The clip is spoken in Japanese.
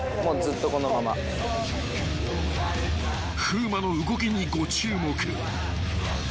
［風磨の動きにご注目］